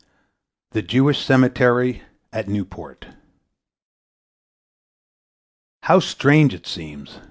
THE JEWISH CEMETERY AT NEWPORT How strange it seems!